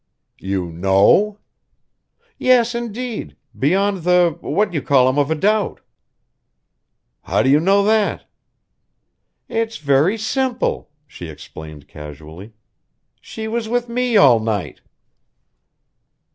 "You know?" "Yes, indeed beyond the what you call 'em of a doubt." "How do you know that?" "It's very simple," she explained casually. "She was with me all night."